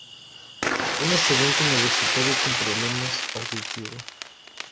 Un estudiante universitario con problemas auditivos.